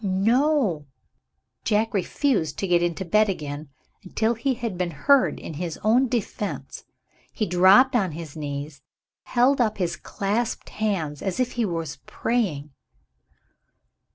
No! Jack refused to get into bed again, until he had been heard in his own defense. He dropped on his knees, and held up his clasped hands, as if he was praying.